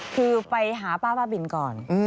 คือไปหาป้าบ้าบินก่อน